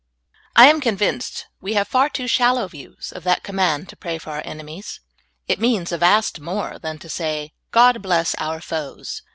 I AM convinced we have far too shallow views of that command to pray for our enemies. It means a vast more than to say, *'God bless our foes."